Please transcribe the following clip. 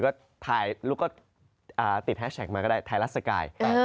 ก็ติดแฮชแท็กมาก็ได้ไทรลัสสกาย